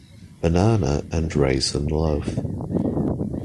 Banana and raisin loaf.